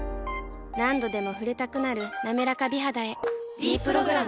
何度でも触れたくなる「なめらか美肌」へ「ｄプログラム」